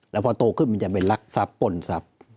แล้วพอโตขึ้นมันจะเป็นรักษัพปนษัพ